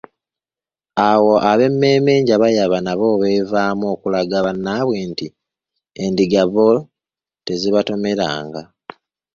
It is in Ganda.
Awo ab'emmeemme enjababayaba nabo beevaamu okulaga bannaabwe nti endiga bo tezibatomeranga.